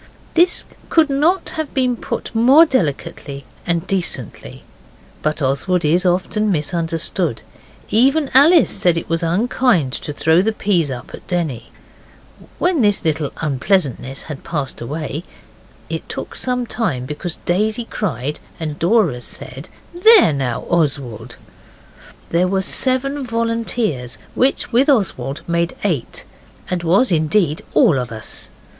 This could not have been put more delicately and decently. But Oswald is often misunderstood. Even Alice said it was unkind to throw the peas up at Denny. When this little unpleasantness had passed away (it took some time because Daisy cried, and Dora said, 'There now, Oswald!') there were seven volunteers, which, with Oswald, made eight, and was, indeed, all of us.